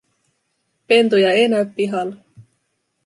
Pentuja ei näy pihalla.